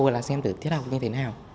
là xem được tiết học như thế nào